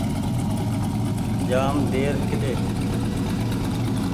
جآم دير ڪۮي